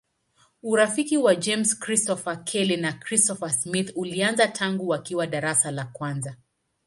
Urafiki wa James Christopher Kelly na Christopher Smith ulianza tangu wakiwa darasa la kwanza.